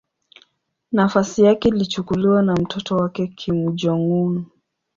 Nafasi yake ilichukuliwa na mtoto wake Kim Jong-un.